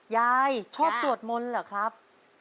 ยายชอบสวดมนต์เหรอครับ